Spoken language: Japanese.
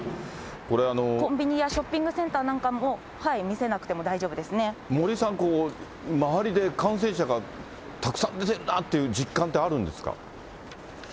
コンビニやショッピングセンターなども見せなくても大丈夫で森さん、周りで感染者がたくさん出てるなという実感ってあるんですか。